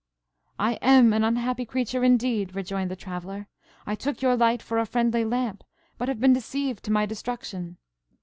"I am an unhappy creature, indeed," rejoined the traveller: "I took your light for a friendly lamp, but have been deceived to my destruction."